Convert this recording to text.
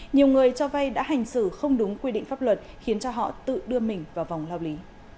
nhiều người cho vay đã hành xử không đúng quy định pháp luật khiến cho họ tự đưa mình vào vòng lao lý